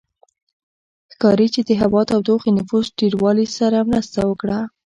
ښکاري چې د هوا تودوخې نفوس ډېروالي سره مرسته وکړه